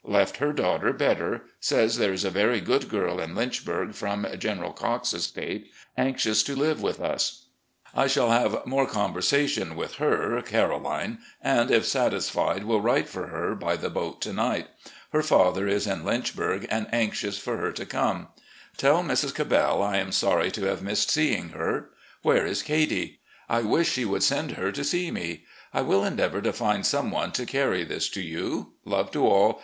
Left her daughter better. Says there is a very good girl in Lynchburg, from General Cocke's estate, anxious to live with us. I shall have more conversa tion with her [Caroline], and, if satisfied, will write for her, by the boat to night. Her father is in Lynchburg, and anxious for her to come. ... Tell Mrs. Cabell I am *The ooolc. FAMILY AFFAIRS 239 sorry to have missed seeing her. Where is Katie ? I wish she would send her to see me. I will endeavour to find some one to carry this to you. Love to all.